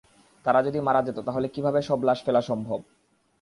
তারা যদি মারা যেত, তাহলে কিভাবে সব লাশ ফেলা সম্ভব?